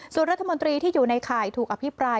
ส่วนรัฐมนตรีที่อยู่ในข่ายถูกอภิปราย